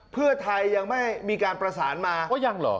เพื่อไทยยังไม่มีการประสานมาว่ายังเหรอ